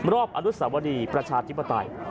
รอบอนุสาวรีประชาธิปไตย